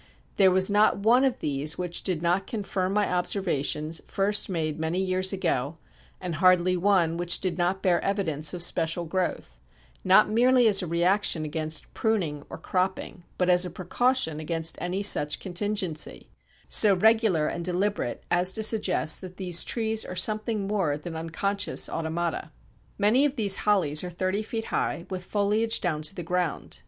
There was not one of these which did not confirm my observations first made many years ago, and hardly one which did not bear evidence of special growth not merely as a reaction against pruning or cropping, but as a precaution against any such contingency so regular and deliberate as to suggest that these trees are something more than unconscious automata. "Many of these hollies are thirty feet high, with foliage down to the ground.